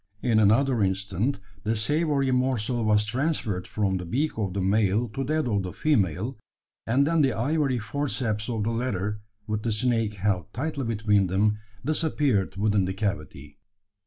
In another instant the savoury morsel was transferred from the beak of the male to that of the female; and then the ivory forceps of the latter, with the snake held tightly between them, disappeared within the cavity.